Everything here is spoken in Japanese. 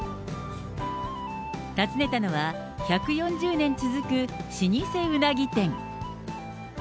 訪ねたのは１４０年続く老舗うなぎ店。